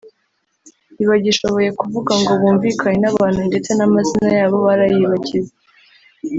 ntibagishoboye kuvuga ngo bumvikane n’abantu ndetse n’amazina yabo barayibagiwe’’